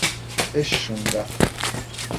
Эш шунда...